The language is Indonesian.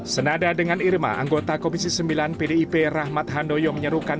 senada dengan irma anggota komisi sembilan pdip rahmat handoyo menyerukan